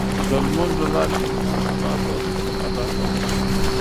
د لمونځ له لارې انسان الله ته شکر ادا کوي.